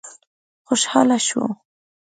خوشاله شو.